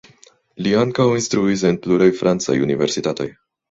Li ankaŭ instruis en pluraj francaj universitatoj.